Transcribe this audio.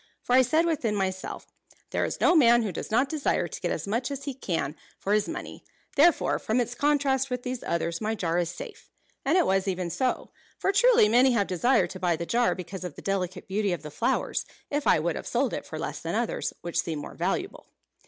For I said within myself, 'There is no man who does not desire to get as much as he can for his money, therefore, from its contrast with these others, my jar is safe.' And it was even so; for truly, many have desired to buy the jar because of the delicate beauty of the flowers, if I would have sold it for less than others which seemed more valuable."